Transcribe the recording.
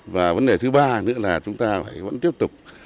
và vấn đề thứ ba nữa là chúng ta phải vẫn tiếp tục